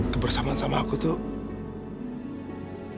kebersamaan sama aku tuh